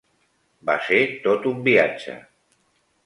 Va ser tot un viatge.